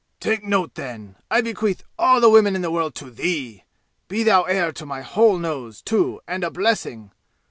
"Take note then, I bequeath all the women in the world to thee! Be thou heir to my whole nose, too, and a blessing!"